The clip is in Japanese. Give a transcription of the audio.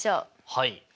はい。